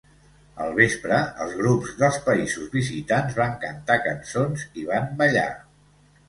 Al vespre, els grups dels països visitants van cantar cançons i van ballar.